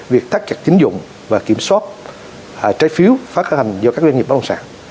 việc tắt chặt chính dụng và kiểm soát trái phiếu phát hành do các doanh nghiệp bất đồng sản